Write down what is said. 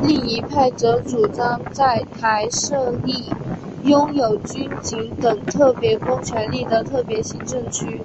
另一派则主张在台设立拥有军警等特别公权力的特别行政区。